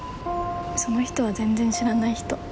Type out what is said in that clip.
その人は全然知らない人。